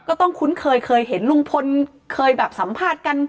คุ้นเคยเคยเห็นลุงพลเคยแบบสัมภาษณ์กัน